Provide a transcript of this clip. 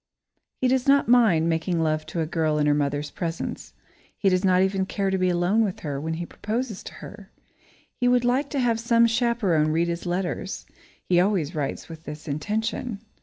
He does not mind making love to a girl in her mother's presence. He does not even care to be alone with her when he proposes to her. He would like to have some chaperone read his letters he always writes with this intention.